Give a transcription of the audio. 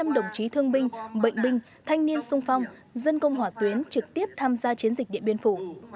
tám trăm linh đồng chí thương binh bệnh binh thanh niên sung phong dân công hỏa tuyến trực tiếp tham gia chiến dịch điện biên phủ